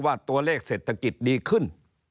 ว่าตัวเลขเศรษฐกิจดีขึ้น